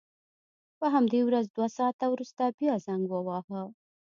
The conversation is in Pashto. په همدې ورځ دوه ساعته وروسته بیا زنګ وواهه.